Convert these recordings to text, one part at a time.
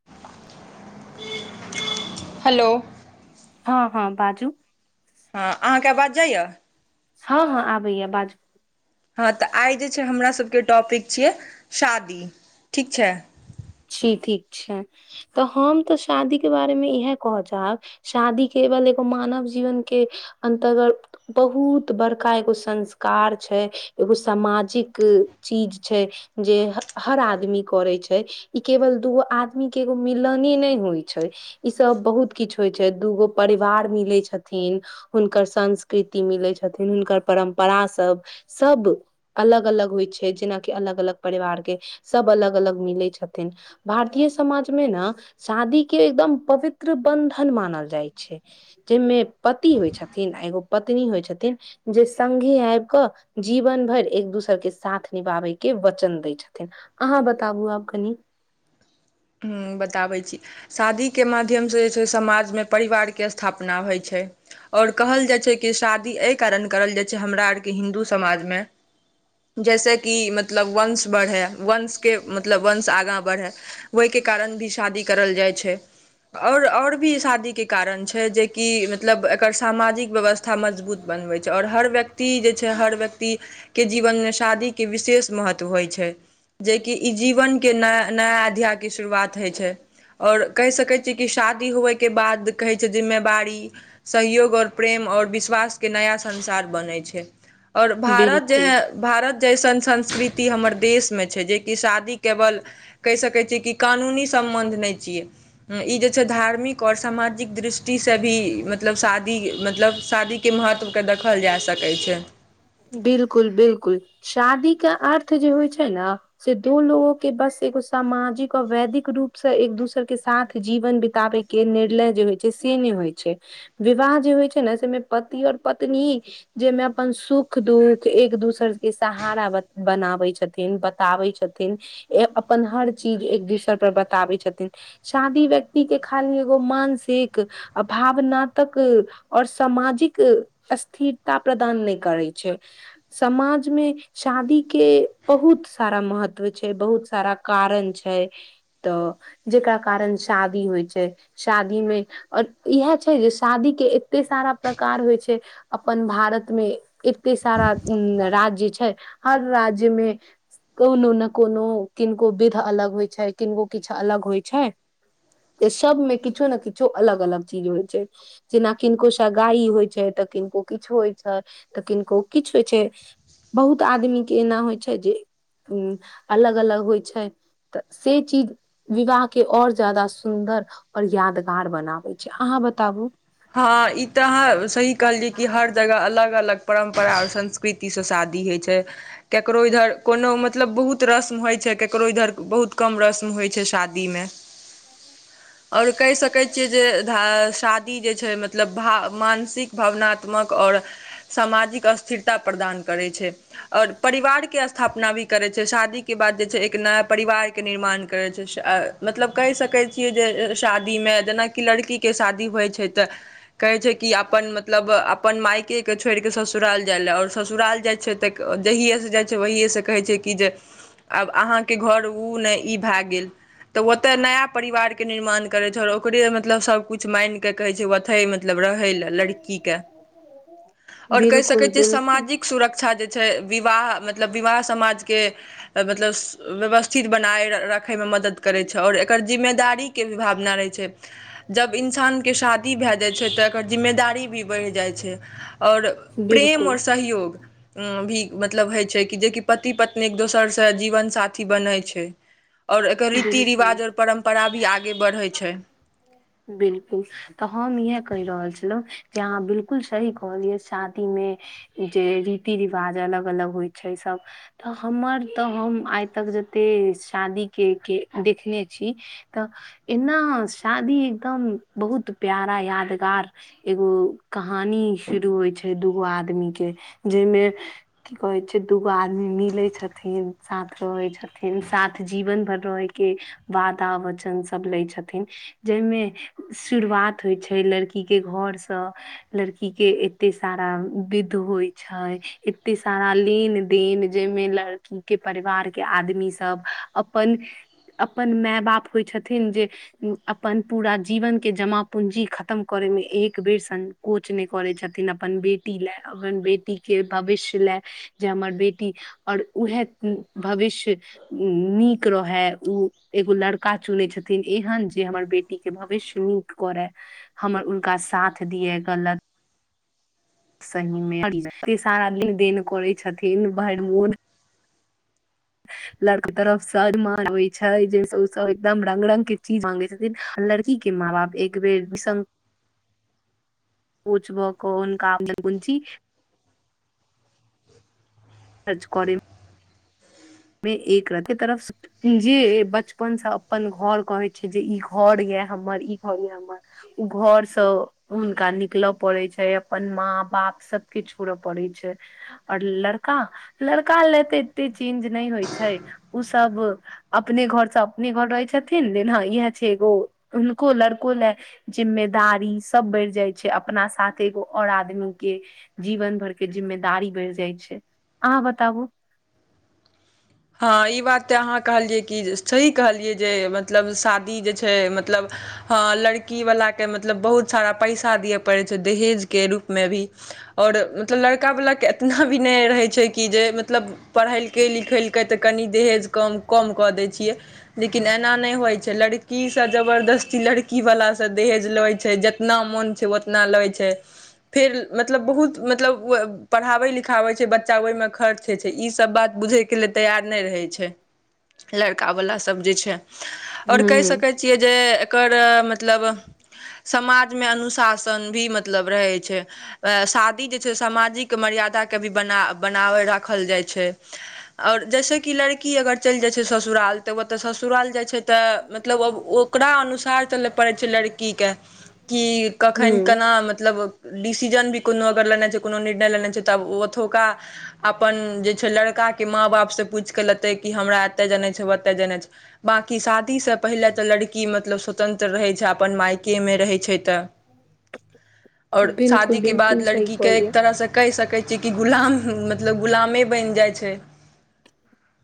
[unintelligible] Hello हँ हँ बाजू हँ अहाँके आबाज जाइए? हँ हँ आबैया बाज हँ तऽ आइ जे छै हमरासके टॉपिक छियै शादी ठीक छै। जी ठीक छै तऽ हम तऽ शादी के बारेमे इएह कहऽ चाहब शादी केवल एगो मानव जीवन के अन्तर्गत बहुत बड़का एगो संस्कार छै एगो सामाजिक चीज छै। जे हर हर आदमी करै छै। इ केवल दूगो आदमी के एगो मिलने न होइ छै। ई सब बहुत किछु होइ छै दूगो परिवार मिलै छथिन। हुनकर संस्कृति मिलै छथिन हुनकर परम्पराास सब। सब अलग अलग होइ छै जेनाकि अलग अलग परिवार के सब अलग अलग मिलै छथिन। भारतीय समाजमे न। शादी के एकदम पवित्र बन्धन मानल जाइ छै। जाहिमे पति होइ छथिन आ एगो पत्नी होइ छथिन जे संघे आबि कऽ। जीवन भरि एक दोसर के साथ निभाबैके वचन दै छथिन। अहाँ बताबू आब कनी। हूं बताबै छी। शादीके माध्यमसँ जे छै समाजमे परिवारके स्थापना होइ छै। आओर कहल जाइ छै कि शादी एहि कारण करल जाइ छै हमरा ओरके हिन्दू समाजमे। जैस की मतलब वंश बढ़ै वंशके मतलब वंश आगाँ बढ़ै। ओहिके कारण भी शादी करल जाइ छै। ओर और भी शादी के कारण छै जेकि मतलब एकर सामाजिक व्यवस्था। कथा मजबूत बनबै छै आओर हर व्यक्ति जे छै हर व्यक्ति। के जीवनमे शादीके विशेष महत्व होइ छै। जेकी ई जीवनके नया नया अध्यायके शुरुआत होइ छै। आओर कहि सकैत छियै कि शादी होबयके बाद कहै छै जिम्मेवारी। सहयोग आओर प्रेम आओर विश्वासके नया संसार बन। बनै छै आओर भारत जे बिलकुल भारत जैसन संस्कृति हमर देश मे छै जे। कि शादी केवल कहि सकै छियै की। कानूनी सम्बन्ध नहि छियै ई जे छै धार्मिक आऔर सामाजिक दृष्टि। छुटीसँ भी मतलब शादी मतलब शादीके महत्वके देखल जा सकै छै। बिलकुल बिलकुल शादी के अर्थ जे होइ छै न। से दो लोगो के बस एगो सामाजिक आऔर वैदिक रूप से एक दूसर के साथ जीवन बितबे। के निर्णय जे होइ छै से नहि होइ छै विवाह जे होइ छै ने सेमे पति आओर पत्नी। जाहिमे अपन सुख दुःख एक दोसर के सहारा बनाबे छथिन। बताबै छथिन अपन हर चीज एक दूसर पर बताबै छथिन। शादी व्यक्ति के खाली एगो मानसिक भावनातक। आओर सामाजिक स्थिरता प्रदान नहि करै छै समाजमे। शादी के बहुत सारा महत्व छै बहुत सारा कारण छै। तऽ जेकरा कारण शादी होइ छै शादी मे। और इएह छै जे शादी के एते सारा प्रकार होइ छै। अपन भारत मे एते सारा राज्य छै हर राज्य मे। कोनो ने कोनो किनको विध अलग होइ छै किनको किछु अलग होइ छै। ओ सबमे किछो ने किछो अलग अलग चीज होइ छै। जेना किनको स गाइ होइ छै तऽ किनको किछो होइ छै तऽ किनको किछु होइ छै। बहुत आदमीके एना होइ छै जे उ अलग अलग होइ छै। तऽ से चीज विवाह के और जादा सुन्दर और यादगार। बनाबै छै अहाँ बताबु। हँ ई तऽ अहाँ सही कहलियै कि हर जगह अलग अलग। परम्परा आओर संस्कृतिसँ शादी होइ छै। ककरो इधर कोनो मतलब बहुत रस्म होइ छै ककरो इधर बहुत कम रस्म होइ छै शादी। दीमे। [unintelligible] और कैह सकै छियै जे धा श्राद् छै मतलब भा-मानसिक भावनात्मक और सामाजिक अस्थिरता प्रदान करै छै। और परिवार के स्थापना भी करै छै, शादी के बाद जे छै एक नआ परिवार के निर्माण करै छै। शअ मतलब कैह सकै छियै जे शादी में जेनाकि लड़की के शादी हो तऽ कऐ छै कि आप्पन मतलब आप्पन मायके क छोइड़ क ससुराल जै ले और ससुराल जै छै तऽ क जहिए से जै छै वहिए से कहै छै कि जे आब अहाँके घर ऊ नै ई भे गेल। तऽ वत्त्ते नया परिवार के निर्मान करै छल, ओकरे मतलब सब कुछ मैन के कहै छै वथै मतलब रहै ले लड़की के, और कैह सकै बिल्कुल छियै बिल्कुल सामाजिक सुरक्षा जे छै विवाह, मतलब विवाह समाज के अ-मतलब स-व्यवस्थिद बनाय र-राखय में मदद करै छै और एकर जिम्मेदारी के भी भाबना रहै छै जब इन्सान के शादी भे जै छै तऽ एकर जिम्मेदारी भी बैढ़ जै छै। और प्रेम बिल्कुल और सहयोग हूं भी मतलब होइ छै कि जे कि पति-पत्नी क दोसर से जीवन-साथी बन्है छै। और एकर बिल्कुल रीति-रिवाज और परम्परा भी आगे बढै छै। बिलकुल। तऽ हम इहे कैह रहल छलौं जे अहाँ बिलकुल सही कहलियै शादी में जे रीति-रिवाज अलग-अलग होइ छै सब। त हमर तऽ हम आइ तक जते शादी के-के देखने छी तऽ एन्ना शादी एकदम बहुत प्यारा यादगार एगो कहानी शुरू होइ छै दूगो आदमी के जै में की कहै छै दू-गो आदमी मिलै छथिन, साथ रहै छथिन साथ जीबन भर रऐ के वादा वचन सब लै छथिन। जै में शुरुवात होइ छै लड़की के घर स लड़की के एत्ते सारा बिद्ध होइ छइ, एत्ते सारा लीन देन जै में लड़की के परिवार के आदमी सब अपन अपन मे-बाप होइ छथिन जे अपन पूरा जीवन के जमा-पूंजी खतम करै में एक बेर सं कोच नहि करै छथिन अपन बेटी ले अपन बेटी के भविष्य ले। जे हमर बेटी और उहे उं भविष्य उं नीक रहे, ऊ एगो लड़का चुनेै छथिन एहन जे हमर बेटी के भविष्य नीक करे। हमर उनका साथ दिये गलत सही में एत्ते सारा लेन-देन करै छथीन, भैरमोन। लड़क तरफ स दु मान होइ छै जै स उ सव एकदम रंग-रंग के चीज माँगे छ लड़की के माँ-बाप एक बेर विसम पूछबऽ कोन काम लेल बुन्ची सच करै में एकरती तरफ्स जे बचपन स अपन घर कहै छी जे ई घर ये हमर, ई घर ये हमर घर स हुनका निकल परय छै, अपन माँ बाप सबके छोड परय छै। और लड़का- लड़का ले तऽ एते चेंज नहि होइ छै, उ सब अपने घरसँ अपने घर रहै छथिन, लेकिन हँ ऐह छै एगो, हुनको लड़को ले जिम्मेदारी सब बढ़ि जाइ छै, अपना साथ एगो और आदमी के जीवन भरके जिम्मेदारी बढ़ि जाइ छै, अहाँ बताबु हँ ई बात तऽ अहाँ कहलियै कि सही कहलियै, जे मतलब शादी जे छै, मतलब हँ लड़की बलाके मतलब बहुत सारा पैसा दिय परय छै, दहेजके रूपमे भी और मतलब लड़का बलाके इतना भी नहि रहयछै कि जे मतलब पढ़ेलकै लिखेल‌ कै तऽ कनि दहेज कम- कम कऽ दै छिय। लेकिन एना नहि होइ छै, लड़कीसँ जबरदस्ती लड़की बलासँ दहेज लइ छै जत तना मन छै ओतना लै छै, फेर मतलब बहुत मतलब पढ़ाबै लिखाबै बच्चा ओहिमे खर्च होइ छै, ई सब बात बुझे के लेल तैयार नय रहय छय, लड़का बला सब जे छय और कहय सक हूँ कय छिय, ऐकर मतलब समाज में अनुशा सन भी मतलब रहै छै, शादी जे छै सामाजिक मर्यादा के भी बना बनाबै राखल जाइ छै। जै सकि लड़की अगर चलि जाइ छै, ओ ससुराल तऽ ओतऽ ससुराल जाइ छै तऽ मतलब ओ आब ओ ओकरा अनुसार चल परय छय लड़की के, की कखन हूँ कना मतलब डिसीजन भी कोनो अगर लेना छै, कोनो निर्णय लेना छै तब ओथुका अपन जे छै लड़का के माँ बाप से पूछि क लेतै कि, हमरा एते जेनाइ छै ओतै जनाइ छै। बांकी शादी से पहिले त लड़ की मतलब स्वतन्त्र रहै छै, अपन मायकेमे रहय छै तऽ। और बिल्कुल शादी के बाद बिल्कुल सही लड़कीे के कहलियै एक तरहस कहि सकै छि कि, गुलाम मतलब गुलामे बनि जाइ छै।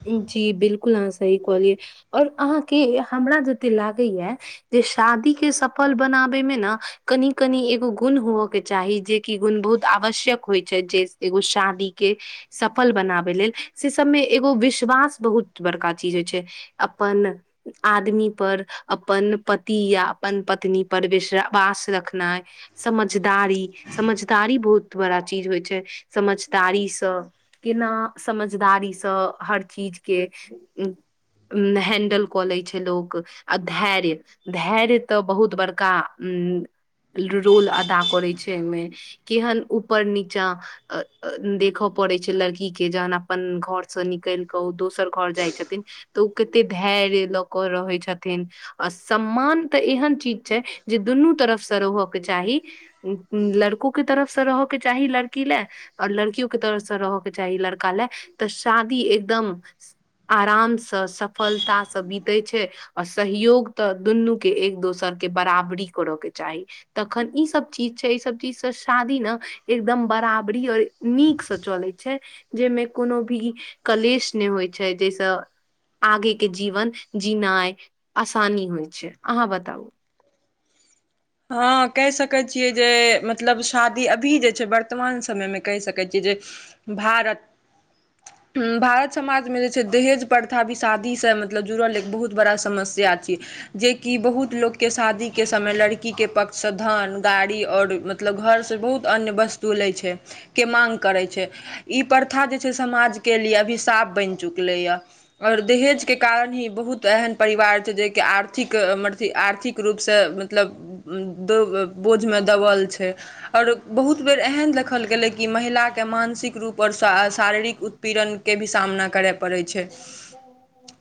जी बिल्कुल अहाँ सही कहलियै और अहाँके हमरा जते लागैया जे शादी के सफल बनाबे मे ने, कनि- कनि एगो गुण हुअ के चाही जे की गुण बहुत आवश्यक होइ छे, जे एगो शादी के सफल बनाबै लेल से सबमे एक एगो विश्वास बहुत बड़का चीज होइ छै, अपन आदमी पर अपन पति या अपन पत्नी पर विस वास रखनाइ। समझदारी समझदारी बहुत बड़ा चीज होइ छै समझदारीस केना समझदारीस हर चीजके हैंडल कऽ लै छै लोक आ धैर्य धैर्य तऽ बहुत बड़का रोल अदा करय छै अय मे केहन ऊपर नीचा देख परय छै लड़की के जहन अपन घर स निक केल कऽ ओ दोसर घर जाइ छथिन तऽ ओ कते धैर्य लऽ क रहै छथिन। आ सम्मान तऽ एहन चीज छै, जे दुनू तरफसँ रह के चाही। लड़को के तरफ से रह के चाही लड़की ले और लड़कियो के तरसँ रहयके चाही लड़का ले तऽ शादी एकदम आरामसँ सफलतासँ बितै छै। आ सहयोग तऽ दुनूके एक दोसर के बराबरी कर के चाही। तखन ई सब चीज छै ई सब चीजसँ शादी न एकदम बराबरी और नीकसँ चलय छै जय मे कोनो भी कलेश नै होय छै जे से आगे के जीवन जिनाय आसानी होय छै, अहाँ बताउ? हां कह सकय छियै जे मतलब शादी अभी जे छै वर्तमान समय मे कह सकय छियै जे भारत। हूं भारत समाज मे जे छै दहेज प्रथा भी शादी से मतलब जुड़ल एक बहुत बड़ा समस्या छियै। जेकि बहुत लोक के शादी के समय लड़की के पक्ष से धन गाड़ी और म-म मतलब घर से बहुत अन्य वस्तु लै छै के मांग करै छै। ई प्रथा जे छै समाज के लिए अभिशाप बैन चुकलै यै। और दहेज के कारण ही बहुत एहेन परिवार छै जे के आर्थिक अ मरथी आर्थिक रूप से मतलब उम्म दब बोझमे दबल छै और बहुत बेर एहेन देखल गेलय कि महिला के मानसिक रूप और शा आ शारीरिक उत्पीड़न के भी सामना करय पड़य छै।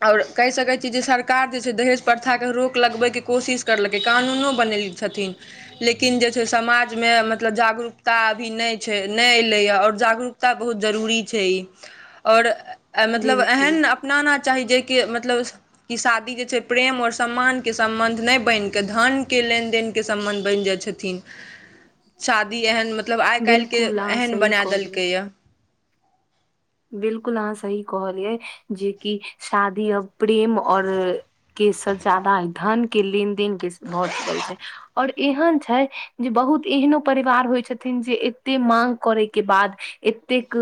और कह सकय छी जे सर कार जे छै दहेज प्रथा के रोक लगबै के कोशिश करलकै, कानूनो बनैएले छथिन लेक लेकिन जे छै समाज मे मतलब जागरूकता अभी नै छै नै ऐलय यै और जागरूक ता बहुत जरूरी छै और ए मतलब बिलकुल एहेन अपनाना चाही जै के मतलब ई शादी जे छै प्रेम और सम्मान के सम्बन्ध नै बैन कै धन के लेन-देन के सम्बन्ध बैन जाए छथिन। शादी एहेन मतलब आय काएल के बिलकुल अहाँ एहेन सही बनाए कहलियै देलकै यै। बिल्कुल अहाँ सही कहलियै जेकि शादी अब प्रेम और के से ज्यादा ई धन के लेन-देेन के भऽ चुकल छै। और एहेन छै जे बहुत एहनो परिवार होय छथिन जे एते मांग करय के बाद एतेक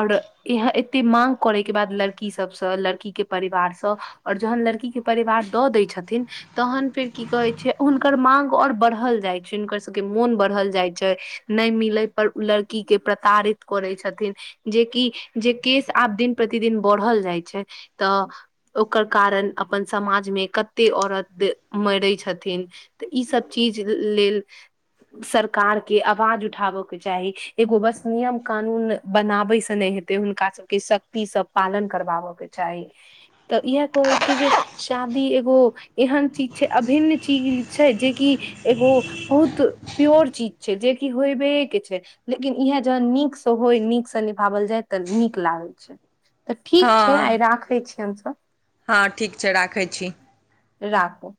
अर ऐह एते मांग करय के बाद लड़की सबसे लड़की के परिवार से और जहन लड़की के परिवार दऽ दै छथिन तहन फेर की कहै छै हुनकर माँग और बढ़ल जाए छै हुनकर सबके मोन बढ़ल जाए छै। नै मिले पर उ लड़की के प्रताड़ित करै छथिन जेकि जे केस आब दिन प्रतिदिन बढ़ल जाए छै तऽ ओकर कारण अपन समाज मे कत्ते औरत मरै छथिन। तऽ ई सब चीज लेल सरकार के आवाज उठा बऽ के चाही। एगो बस नियम कानून बनाबै से नै हे ते हुनका सबके शक्ति से पालन करबा ब के चाही तऽ इहै कहय छीयै जे शादी एगो एहेन चीज छै अभिन्न चीज छै जेकि एगो बहुत प्योर चीज छै जे कि होय बेयै के छै। लेकिन इहै जहन नीक से होय नीक से निभावल जाय तऽ नीक लागल छै तऽ ठीक छै आइ राखय छी हम सब। हां ठीक छै राखय छी। राखू।